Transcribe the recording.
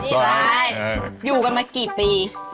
นี่ขวานี่ล้ายอยู่กันมากี่ปี